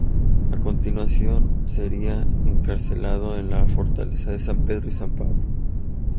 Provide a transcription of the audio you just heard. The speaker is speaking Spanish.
A continuación sería encarcelado en la fortaleza de San Pedro y San Pablo.